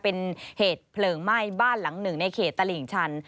เป็นเหตุเพลิงไหม้บ้านหลังหนึ่งในเขตตลิ่งชัน